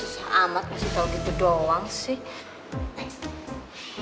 susah amat masih tau gitu doang sih